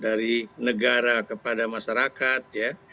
dari negara kepada masyarakat ya